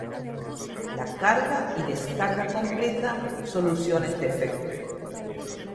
La carga y descarga completa soluciona este efecto.